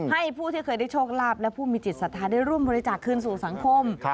ให้ผู้ที่เคยได้โชคลาภและผู้มีจิตศรัทธาได้ร่วมบริจาคคืนสู่สังคม